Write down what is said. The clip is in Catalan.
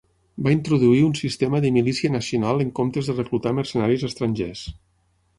Va introduir un sistema de milícia nacional en comptes de reclutar mercenaris estrangers.